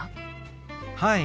はい。